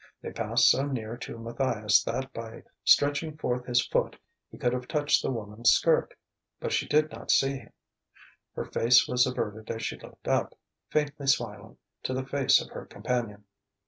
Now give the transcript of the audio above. They passed so near to Matthias that by stretching forth his foot he could have touched the woman's skirt. But she did not see him; her face was averted as she looked up, faintly smiling, to the face of her companion.